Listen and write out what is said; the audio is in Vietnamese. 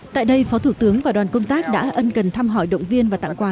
tại đây phó thủ tướng và đoàn công tác đã ân cần thăm hỏi động viên và tặng quà